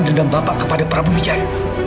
dendam bapak kepada prabu wijaya